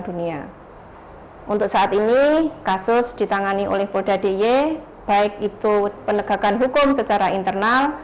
dunia untuk saat ini kasus ditangani oleh polda d i e baik itu penegakan hukum secara internal